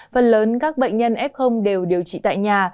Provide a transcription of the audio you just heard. phần lớn các bệnh nhân f đều điều trị tại nhà